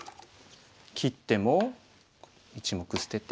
切っても１目捨てて。